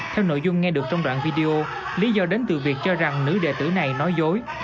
theo nội dung nghe được trong đoạn video lý do đến từ việc cho rằng nữ đề tử này nói dối